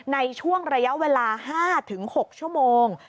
ในช่วงระยะเวลา๕๖ชั่วโมง